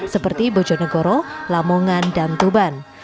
seperti bojonegoro lamongan dan tuban